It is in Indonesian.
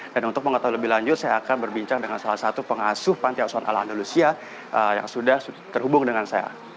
dan untuk mengetahui lebih lanjut saya akan berbincang dengan salah satu pengasuh panti asuhan ala andalusia yang sudah terhubung dengan saya